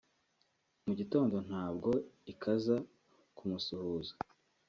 mu gitondo nabwo ikaza kumusuhuza